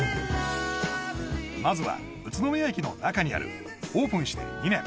まずは宇都宮駅の中にあるオープンして２年